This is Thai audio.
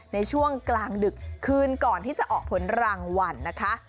ในช่วงกลางดึกคืนก่อนที่จะออกผลรางวัลนะคะ